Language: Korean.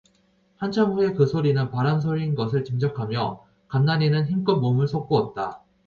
한참 후에 그 소리는 바람 소리인 것을 짐작하며 간난이는 힘껏 몸을 솟구었다.